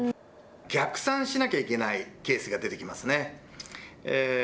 逆算しなければいけないケースが出てきますね。